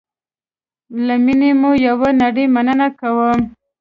له میني مو یوه نړی مننه کوم